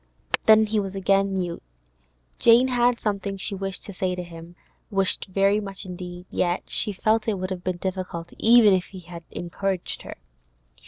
Then he was again mute. Jane had something she wished to say to him—wished very much indeed, yet she felt it would have been difficult even if he had encouraged her.